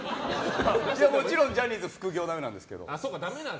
もちろん、ジャニーズは副業だめなんですよ。